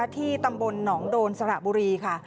ที่ตำบลหนองโดนสระบุรีค่ะ